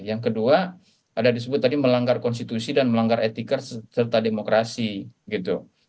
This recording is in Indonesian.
yang kedua ada disebut tadi melanggar konstitusi dan melanggar etika serta demokrasi gitu